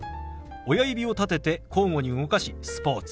親指を立てて交互に動かし「スポーツ」。